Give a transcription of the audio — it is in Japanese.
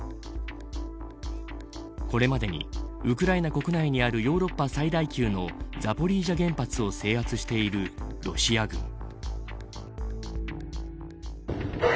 これまでにウクライナ国内にあるヨーロッパ最大級のザポリージャ原発を制圧しているロシア軍。